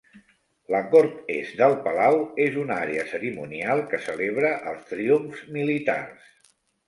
La cort est del palau és una àrea cerimonial que celebra els triomfs militars.